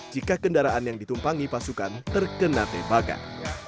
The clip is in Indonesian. jika kendaraan yang ditumpangi pasukan terkena tembakan